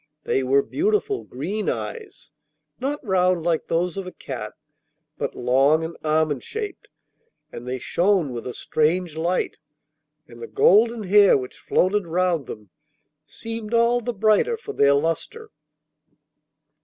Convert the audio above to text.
They were beautiful green eyes, not round like those of a cat, but long and almond shaped, and they shone with a strange light, and the golden hair which floated round them seemed all the brighter for their lustre.